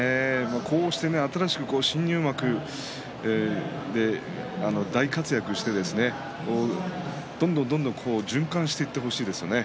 こうして新しく新入幕で大活躍してどんどんどんどん循環していってほしいですね。